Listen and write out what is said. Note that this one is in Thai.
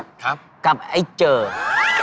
ครับกับไอ้เจ้า